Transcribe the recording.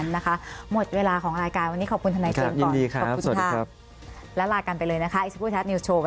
นะคะและ